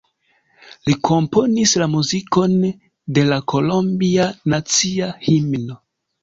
Li komponis la muzikon de la kolombia nacia himno.